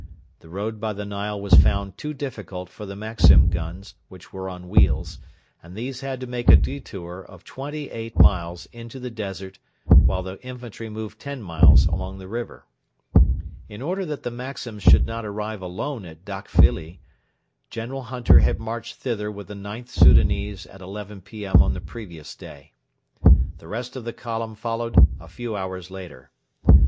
The road by the Nile was found too difficult for the Maxim guns, which were on wheels, and these had to make a detour of twenty eight miles into the desert while the infantry moved ten miles along the river. In order that the Maxims should not arrive alone at Dakfilli, General Hunter had marched thither with the IXth Soudanese at 11 P.M. on the previous day. The rest of the column followed a few hours later.